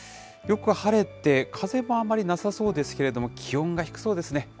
よく晴れて風もあまりなさそうですけれども、気温が低そうですね。